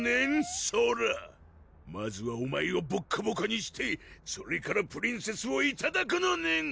ソラまずはお前をボッコボコにしてそれからプリンセスをいただくのねん！